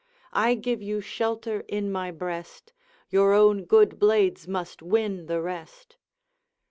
I give you shelter in my breast, Your own good blades must win the rest."